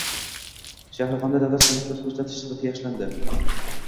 Shahrixonda davlat xizmatlari ko‘rsatish sifati yaxshilandi